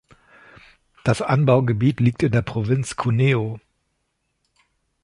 Das Anbaugebiet liegt in der Provinz Cuneo.